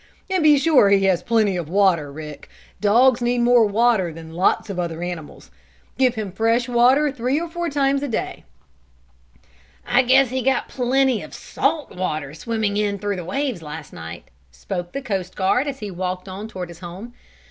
And be sure he has plenty of water, Rick. Dogs need more water than lots of other animals. Give him fresh water three or four times a day." "I guess he got plenty of salt water, swimming in through the waves last night," spoke the coast guard, as he walked on toward his home.